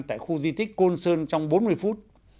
tại khu di tích côn sơn trong bốn mươi phút